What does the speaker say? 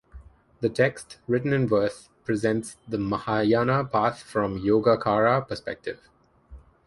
The text, written in verse, presents the Mahayana path from the Yogacara perspective.